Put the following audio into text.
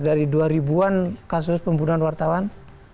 dari dua ribu an kasus pembunuhan wartawan